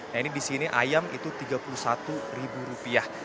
nah ini di sini ayam itu tiga puluh satu ribu rupiah